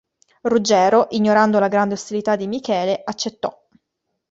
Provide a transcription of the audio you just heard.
Ruggero, ignorando la grande ostilità di Michele, accettò.